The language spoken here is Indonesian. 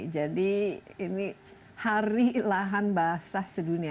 jadi ini hari lahan basah sedunia